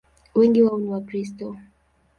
Wengi wao ni Wakristo.